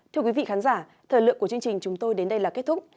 thưa quý vị khán giả thời lượng của chương trình chúng tôi đến đây là kết thúc